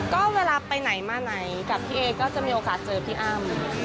ก็เวลาไปไหนมาไหนกับพี่เอก็จะมีโอกาสเจอพี่อ้ำ